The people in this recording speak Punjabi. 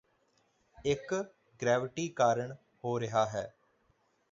ਇਕ ਗ੍ਰੈਵਟੀ ਕਾਰਨ ਹੋ ਰਿਹਾ ਹੈ